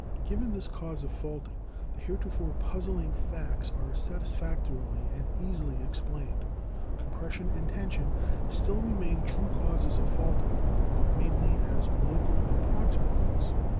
Given this cause of faulting, the heretofore puzzling facts are satisfactorily and easily explained. Compression and tension still remain true causes of faulting, but mainly as local and proximate ones.